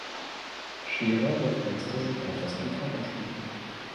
Scherer begrenzte sich auf das Gitarrenspiel.